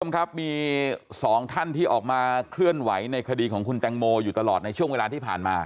คุณผู้ชมครับมีสองท่านที่ออกมาเคลื่อนไหวในคดีของคุณแตงโมอยู่ตลอดในช่วงเวลาที่ผ่านมา